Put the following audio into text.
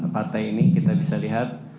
partai ini kita bisa lihat